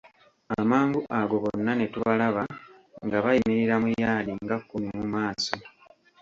Amangu ago bonna ne tubalaba nga bayimirira mu yaadi nga kkumi mu maaso.